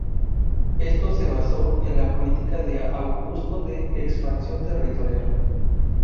Esto se basó en la política de Augusto de expansión territorial.